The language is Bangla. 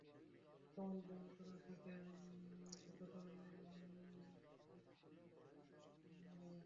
সময় নির্ধারণ করা থাকে, এতটা থেকে এতটা পর্যন্ত স্ট্যাম্প নেওয়া যাবে।